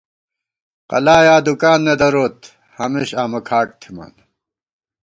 قلا یا دُکان نہ دروت، ہمیش آمہ کھاٹ تھِمان